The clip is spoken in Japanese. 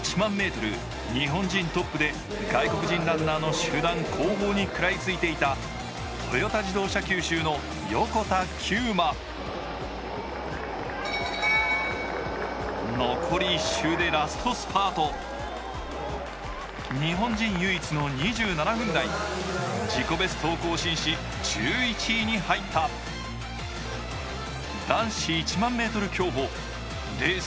ｍ日本人トップで外国人ランナーの集団後方に食らいついていたトヨタ自動車九州の横田玖磨残り１周でラストスパート日本人唯一の２７分台自己ベストを更新し１１位に入った男子１００００ｍ競歩レース